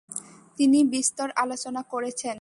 তিনি বিস্তর আলোচনা করেছেন।